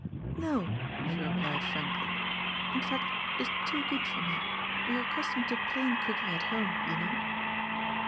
" No," she replied frankly. " In fact, it is too good for me. We are accustomed to plain cooking at home, you know."